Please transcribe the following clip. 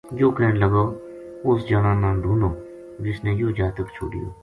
یون کہن لگو اُس جنا نا ڈھونڈوں جس نے یوہ جاتک چھوڈیو